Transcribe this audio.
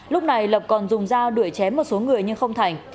lúc này lộc còn dùng da đuổi chém một số người nhưng không thành